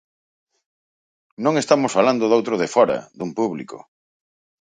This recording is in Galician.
Non estamos falando doutro de fóra, dun público.